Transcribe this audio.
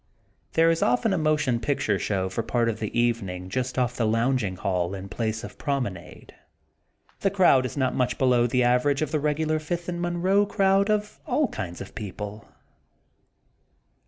There is often a mo tion picture show for part of the evening just off the lounging hallway and place of prom enade. The crowd is not much below the aver age of the regular Fifth and Monroe crowd of all kinds of people.